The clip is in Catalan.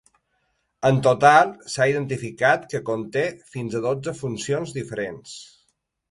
En total s’ha identificat que conté fins a dotze funcions diferents.